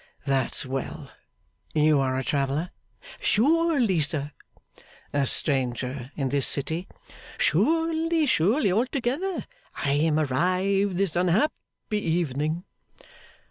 'That's well. You are a traveller?' 'Surely, sir.' 'A stranger in this city?' 'Surely, surely, altogether. I am arrived this unhappy evening.